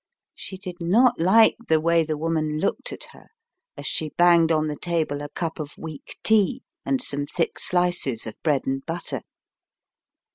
She did not like the way the woman looked at her as she banged on the table a cup of weak tea and some thick slices of bread and butter.